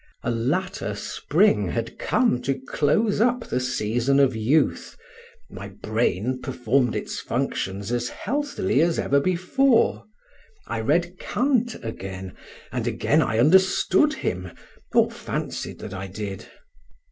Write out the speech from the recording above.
A latter spring had come to close up the season of youth; my brain performed its functions as healthily as ever before; I read Kant again, and again I understood him, or fancied that I did.